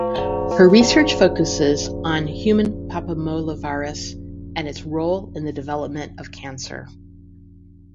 Her research focuses on human papillomavirus and its role in the development of cancer.